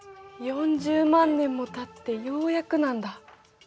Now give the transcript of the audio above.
４０万年もたってようやくなんだ。